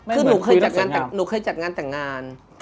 คือหนูเคยจัดงานแต่งงาน